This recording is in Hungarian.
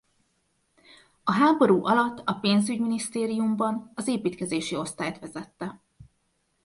A háború alatt a pénzügyminisztériumban az építkezési osztályt vezette.